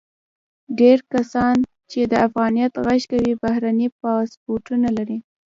ډیری کسان چې د افغانیت غږ کوي، بهرني پاسپورتونه لري.